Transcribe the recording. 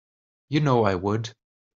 You know I would.